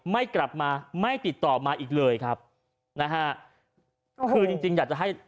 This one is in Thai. ไม่กลับมาไม่ติดต่อมาอีกเลยครับนะฮะก็คือจริงจริงอยากจะให้